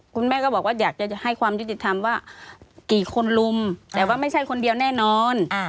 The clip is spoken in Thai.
คุณแม่ก็บอกว่าอยากจะให้ความยุติธรรมว่ากี่คนลุมแต่ว่าไม่ใช่คนเดียวแน่นอน